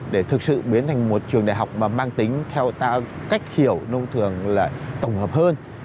để thực sự biến thành một trường đại học mà mang tính theo cách hiểu nông thường là tổng hợp hơn